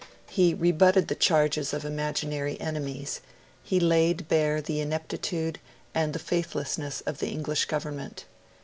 He rebutted the charges of imaginary enemies; he laid bare the ineptitude and the faithlessness of the English Government.